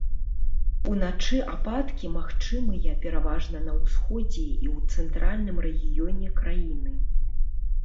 Уначы ападкі магчымыя пераважна на ўсходзе і ў цэнтральным рэгіёне краіны.